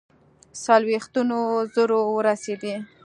څلوېښتو زرو ورسېدی.